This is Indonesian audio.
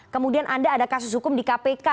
kemudian anda ada kasus hukum di kpk